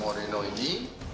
menurut analis politik kendati nu